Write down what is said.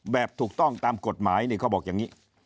แบบถูกต้องตามกฎหมายนี่เขาบอกอย่างนี้